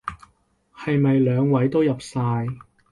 係咪兩位都入晒？